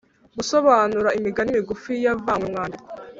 Gusobanura imigani migufi yavanywe mu mwandiko